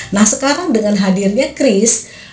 nah sekarang dengan hadirnya chris